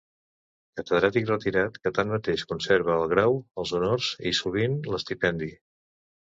Catedràtic retirat que, tanmateix, conserva el grau, els honors i, sovint, l'estipendi.